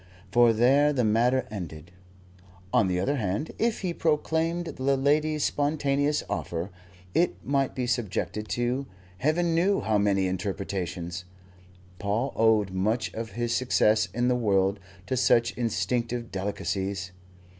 For there the matter ended. On the other hand, if he proclaimed the lady's spontaneous offer, it might be subjected to heaven knew how many interpretations. Paul owed much of his success in the world to such instinctive delicacies.